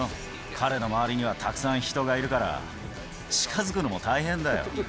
彼に周りにはたくさん人がいるから、近づくのも大変だよ。